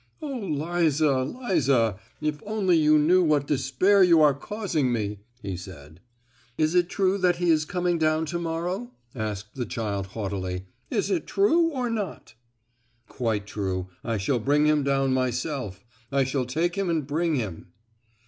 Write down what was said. "Oh, Liza, Liza! if only you knew what despair you are causing me!" he said. "Is it true that he is coming down to morrow?" asked the child haughtily—"is it true or not?" "Quite true—I shall bring him down myself,—I shall take him and bring him!"